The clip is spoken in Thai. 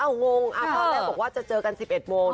เราก็งงค่ะพอแมนบอกว่าจะเจอกัน๑๑โมง